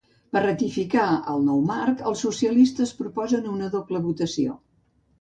Per ratificar el nou marc, els socialistes proposen una doble votació.